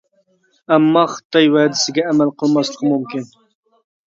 ئەمما، خىتاي ۋەدىسىگە ئەمەل قىلماسلىقى مۇمكىن.